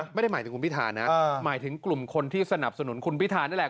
ไม่ได้หมายถึงคุณพิธานะหมายถึงกลุ่มคนที่สนับสนุนคุณพิธานี่แหละ